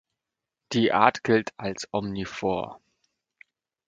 Die Art gilt als omnivor.